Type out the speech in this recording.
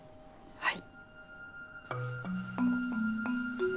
はい。